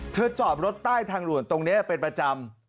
จอดรถใต้ทางด่วนตรงนี้เป็นประจำ